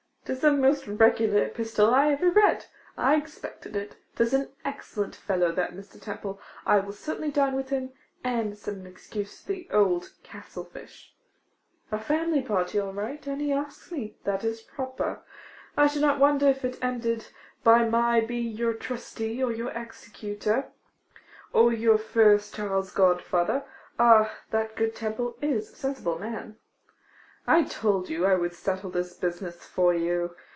Tis the most regular epistle I ever read; I expected it. 'Tis an excellent fellow, that Mr. Temple; I will certainly dine with him, and send an excuse to that old Castlefyshe. A family party, all right; and he asks me, that is proper. I should not wonder if it ended by my being your trustee, or your executor, or your first child's godfather. Ah, that good Temple is a sensible man. I told you I would settle this business for you.